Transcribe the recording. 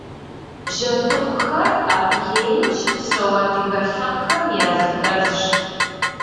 Бжьэдыгъухэр Адыгейм щыпсэу адыгэ лъэпкъхэм языхэзщ.